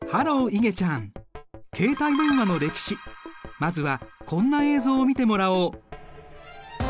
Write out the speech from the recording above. まずはこんな映像を見てもらおう。